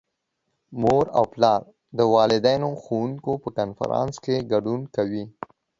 مور او پلار د والدین - ښوونکو په کنفرانس کې ګډون کوي.